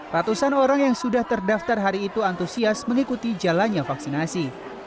ratusan orang yang sudah terdaftar hari itu antusias mengikuti jalannya vaksinasi